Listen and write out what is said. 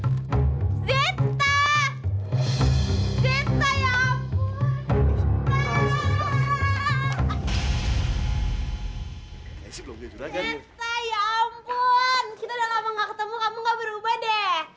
cinta ya ampun kita udah lama gak ketemu kamu gak berubah deh